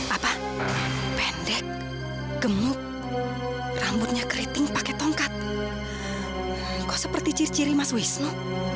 apa pendek gemuk rambutnya keriting pakai tongkat engkau seperti ciri ciri mas wisnu